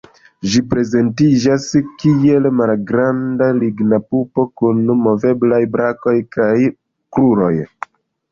Ĝi prezentiĝas kiel malgranda ligna pupo kun moveblaj brakoj kaj kruroj.